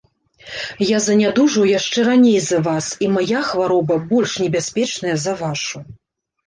Я занядужаў яшчэ раней за вас, і мая хвароба больш небяспечная за вашу.